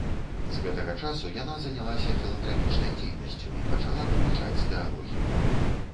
З гэтага часу яна занялася філантрапічнай дзейнасцю і пачала вывучаць тэалогію.